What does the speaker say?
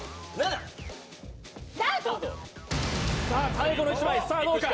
最後の１枚、さあどうか。